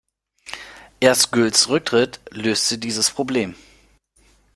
Erst Goulds Rücktritt löste dieses Problem.